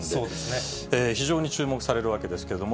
非常に注目されるわけですけれども。